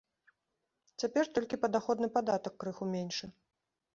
Цяпер толькі падаходны падатак крыху меншы.